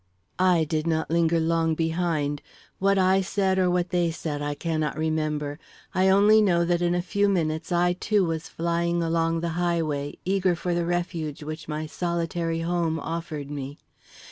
I did not linger long behind. What I said or what they said I cannot remember. I only know that in a few minutes I too was flying along the highway, eager for the refuge which my solitary home offered me.